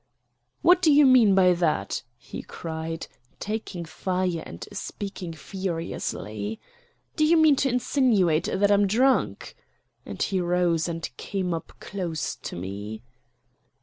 "What do you mean by that?" he cried, taking fire and speaking furiously. "Do you mean to insinuate that I'm drunk?" and he rose and came up close to me.